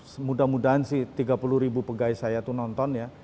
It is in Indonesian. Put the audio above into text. semudah mudahan sih tiga puluh ribu pegawai saya itu nonton ya